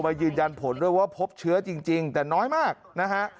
ยืนยันผลด้วยว่าพบเชื้อจริงแต่น้อยมากนะฮะ